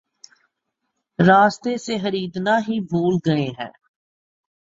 راستے سے خریدنا ہی بھول گئے ہیں